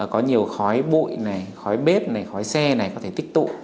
có nhiều khói bụi khói bếp khói xe có thể tích tụ